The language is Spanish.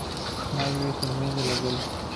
Mayo es el mes de las velas.